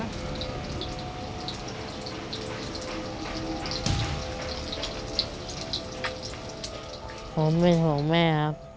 ผมไม่ถูกแม่ครับ